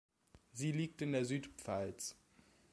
Sie liegt in der Südpfalz.